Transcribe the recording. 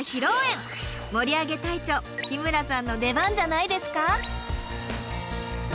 盛り上げ隊長日村さんの出番じゃないですか？